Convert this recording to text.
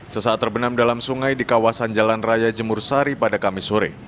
sesaat terbenam dalam sungai di kawasan jalan raya jemur sari pada kamis sore